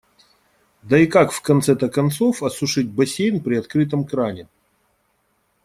Да и как в конце-то концов осушить бассейн при открытом кране.